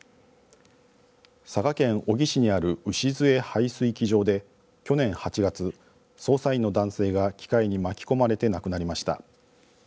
佐賀県小城市にある牛津江排水機場で去年８月、操作員の男性が機械に巻き込まれて亡くなりました。